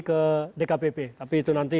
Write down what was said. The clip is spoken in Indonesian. ke dkpp tapi itu nanti